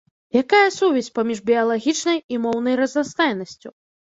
Якая сувязь паміж біялагічнай і моўнай разнастайнасцю?